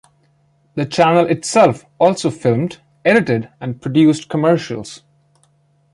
The channel itself also filmed, edited and produced commercials.